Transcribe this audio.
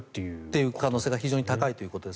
という可能性が非常に高いということです。